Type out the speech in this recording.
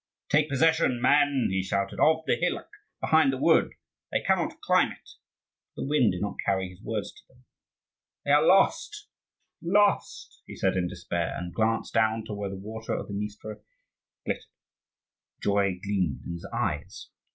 "Take possession, men," he shouted, "of the hillock behind the wood: they cannot climb it!" But the wind did not carry his words to them. "They are lost, lost!" he said in despair, and glanced down to where the water of the Dniester glittered. Joy gleamed in his eyes.